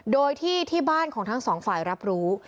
โดยที่ที่บ้านของทั้งสองฝ่ายรับรู้